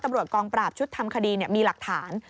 ตำรวจกองปราบชุดทำคดีมีหลักฐาน